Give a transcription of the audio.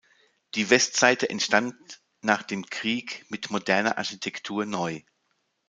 Die Westseite entstand nach dem Krieg mit moderner Architektur neu.